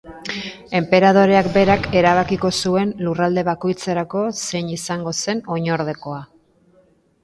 Enperadoreak berak erabakiko zuen lurralde bakoitzerako zein izango zen oinordekoa.